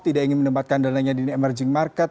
tidak ingin menempatkan dananya di emerging market